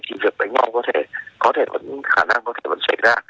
thì việc bệnh bom có thể có thể vẫn khả năng có thể vẫn xảy ra